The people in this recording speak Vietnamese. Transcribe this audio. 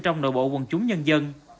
trong nội bộ quần chúng nhân dân